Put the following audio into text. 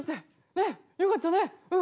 ねっよかったねうん。